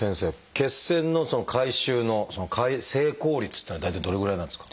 血栓の回収の成功率っていうのは大体どれぐらいなんですか？